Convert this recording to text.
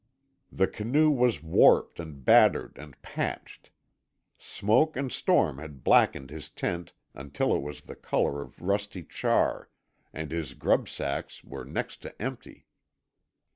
The canoe was warped and battered and patched; smoke and storm had blackened his tent until it was the colour of rusty char, and his grub sacks were next to empty.